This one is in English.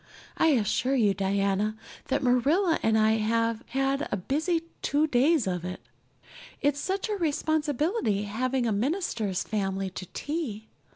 I assure you, Diana, that Marilla and I have had a busy two days of it. It's such a responsibility having a minister's family to tea.